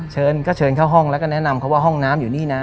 เชิญก็เชิญเข้าห้องแล้วก็แนะนำเขาว่าห้องน้ำอยู่นี่นะ